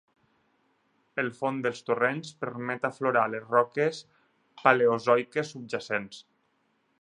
El fons dels torrents permet aflorar les roques paleozoiques subjacents.